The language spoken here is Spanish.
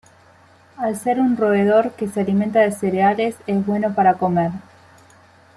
Al ser un roedor que se alimenta de cereales es bueno para comer.